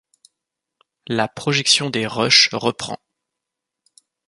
La projection des rushs reprend.